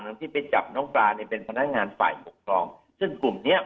ที่ไปจับน้องปลาเนี่ยเป็นพนักงานฝ่ายปกครองซึ่งกลุ่มเนี้ย